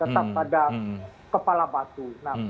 tetap pada kepala batu